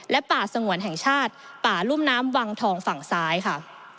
และป่าสงวนแห่งชาติป่ารุ่มน้ำวังทองฝั่งซ้ายค่ะ